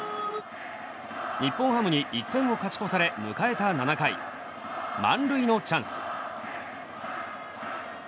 日本ハムに１点を勝ち越され迎えた７回満塁のチャンス。